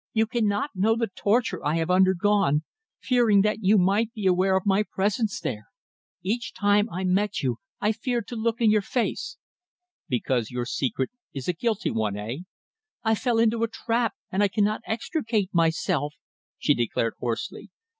"You cannot know the torture I have undergone fearing that you might be aware of my presence there. Each time I met you I feared to look you in the face." "Because your secret is a guilty one eh?" "I fell into a trap, and I cannot extricate myself," she declared hoarsely.